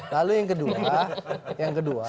lalu yang kedua